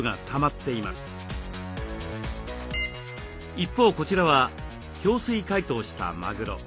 一方こちらは氷水解凍したマグロ。